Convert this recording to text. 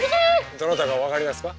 どなたか分かりますか？